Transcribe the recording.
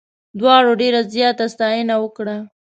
دواړو ډېره زیاته ستاینه وکړه.